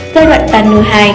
giai đoạn tàn nữ hai